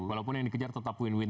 walaupun yang dikejar tetap win win